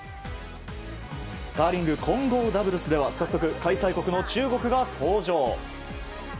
カーリング混合ダブルスでは早速、開催国の中国が登場。